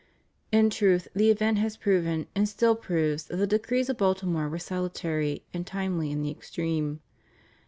In truth the event has proven, and still proves, that the decrees of Baltimore were salutary and timely in the extreme.